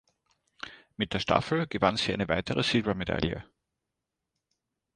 Mit der Staffel gewann sie eine weitere Silbermedaille.